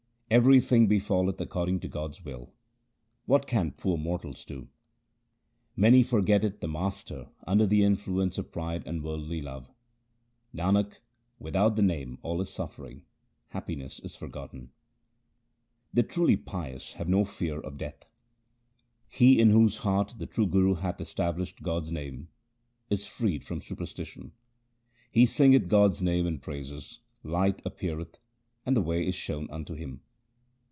Everything befalleth according to God's will ; what can poor mortals do ? Man forgetteth the Master under the influence of pride and worldly love. Nanak, without the Name all is suffering ; happiness is forgotten. 166 THE SIKH RELIGION The truly pious have no fear of death :— He in whose heart the true Guru hath established God's name is freed from superstition. He singeth God's name and praises, light appeareth, and the way is shown unto him.